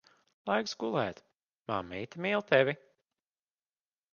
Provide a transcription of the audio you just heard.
Laiks gulēt. Mammīte mīl tevi.